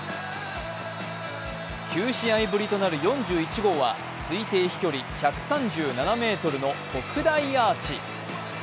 ９試合ぶりとなる４１号は推定飛距離１３７ｍの特大アーチ。